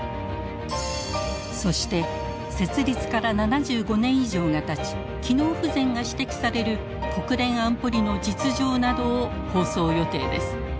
そして設立から７５年以上がたち機能不全が指摘される国連安保理の実情などを放送予定です。